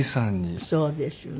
そうですよね。